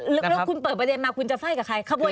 แล้วคุณเปิดประเด็นมาคุณจะไฟ่กับใคร